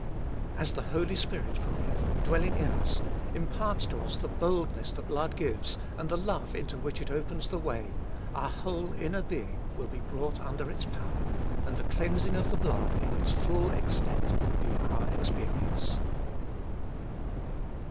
As the Holy Spirit from heaven, dwelling in us, imparts to us the boldness the blood gives, and the love into which it opens the way, our whole inner being will be brought under its power, and the cleansing of the blood in its full extent be our experience.